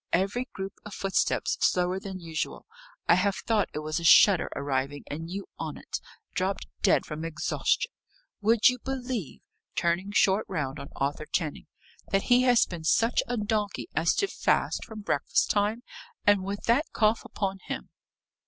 Every group of footsteps slower than usual, I have thought it was a shutter arriving and you on it, dropped dead from exhaustion. Would you believe" turning short round on Arthur Channing "that he has been such a donkey as to fast from breakfast time? And with that cough upon him!"